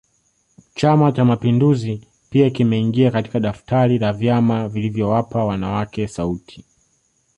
Chama Cha mapinduzi pia kimeingia katika daftari la vyama vilivyowapa wanawake sauti